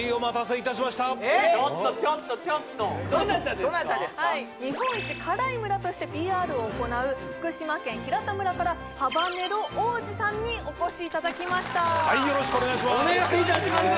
ちょっとちょっとちょっと日本一辛い村としてＰＲを行う福島県平田村からハバネロ王子さんにお越しいただきました